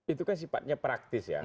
itu kan sifatnya praktis ya